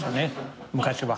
昔は。